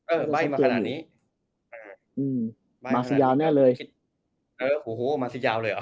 ไล่มาขนาดนี้อืมมาสิยาวแน่เลยเออโอ้โหมาสิยาวเลยเหรอ